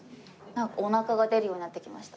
おなかが出るようになってきました。